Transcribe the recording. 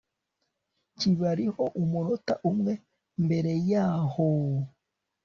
kibariho umunota umwe mbere yahoo